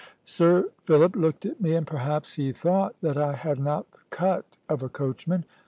Sir Philip looked at me, and perhaps he thought that I had not the cut of a coachman.